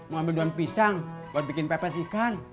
mau ambil doang pisang buat bikin pepes ikan